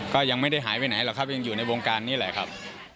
ก็ยังไม่ได้หายไปไหนหรอกครับยังอยู่ในวงการนี้แหละครับ